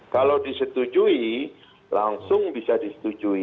kalau disetujui langsung bisa disetujui